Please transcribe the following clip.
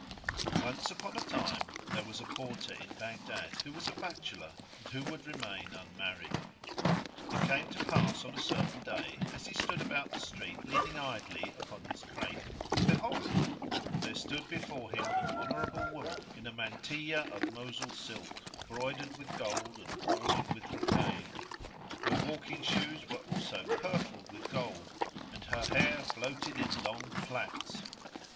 Once upon a time there was a Porter in Baghdad, who was a bachelor and who would remain unmarried. It came to pass on a certain day, as he stood about the street leaning idly upon his crate, behold, there stood before him an honourable woman in a mantilla of Mosul[FN#138] silk, broidered with gold and bordered with brocade; her walking shoes were also purfled with gold and her hair floated in long plaits.